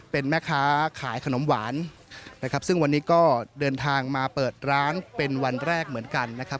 เป็นแม่ค้าขายขนมหวานนะครับซึ่งวันนี้ก็เดินทางมาเปิดร้านเป็นวันแรกเหมือนกันนะครับ